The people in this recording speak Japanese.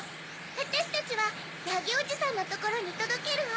あたしたちはヤギおじさんのところにとどけるわ。